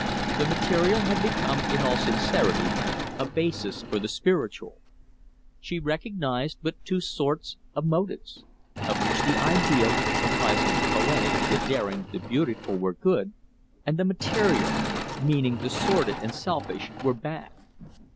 The material had become, in all sincerity, a basis for the spiritual. She recognized but two sorts of motives; of which the ideal, comprising the poetic, the daring, the beautiful, were good; and the material, meaning the sordid and selfish, were bad.